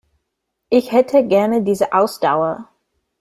Ich hätte gerne diese Ausdauer.